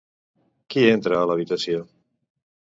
Qui entra a l'habitació?